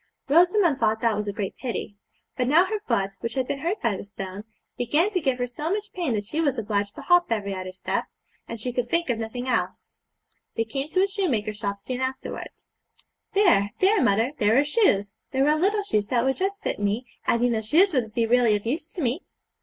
Rosamond thought that was a great pity. But now her foot, which had been hurt by the stone, began to give her so much pain that she was obliged to hop every other step, and she could think of nothing else. They came to a shoemaker's shop soon afterwards. 'There, there, mother, there are shoes; there are little shoes that would just fit me, and you know shoes would be really of use to me.'